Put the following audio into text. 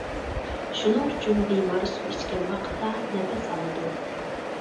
شۇنىڭ ئۈچۈن بىمار سۇ ئىچكەن ۋاقىتتا نەپەس ئالىدۇ.